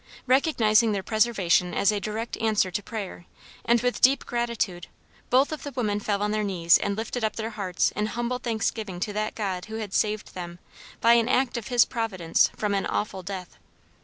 Recognizing their preservation as a direct answer to prayer, and with deep gratitude both of the women fell on their knees and lifted up their hearts in humble thanksgiving to that God who had saved them by an act of his providence from an awful death.